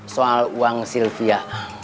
soal uang sylvia